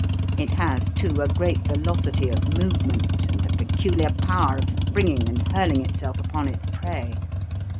It has, too, a great velocity of movement and a peculiar power of springing and hurling itself upon its prey.